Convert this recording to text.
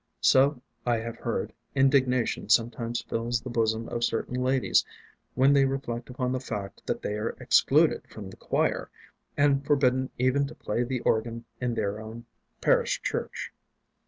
So, I have heard, indignation sometimes fills the bosom of certain ladies when they reflect upon the fact that they are excluded from the choir, and forbidden even to play the organ in their own parish church.